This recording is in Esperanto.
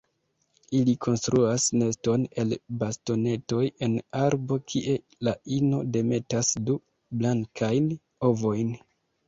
Ili konstruas neston el bastonetoj en arbo kie la ino demetas du blankajn ovojn.